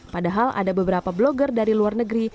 padahal ada beberapa blogger dari luar negeri